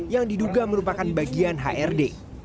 yang diduga merupakan bagian hrd